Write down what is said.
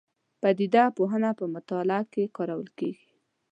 پدیده پوهنه په مطالعه کې کارول کېږي.